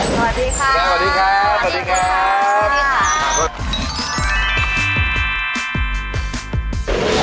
สวัสดีครับ